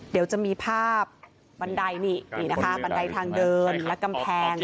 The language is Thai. เดี๋ยวจะมีภาพบันไดนี่นี่นะคะบันไดทางเดินและกำแพง